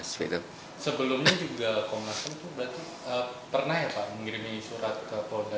sebelumnya juga komnas ham itu berarti pernah ya pak mengirimi surat ke polda